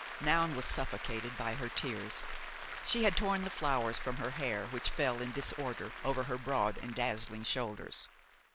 Noun was suffocated by her tears; she had torn the flowers from her hair which fell in disorder over her broad and dazzling shoulders.